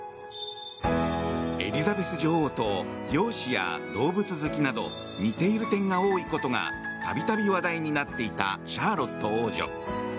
エリザベス女王と容姿や動物好きなど似ている点が多いことがたびたび話題になっていたシャーロット王女。